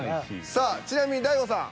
さあちなみに大悟さん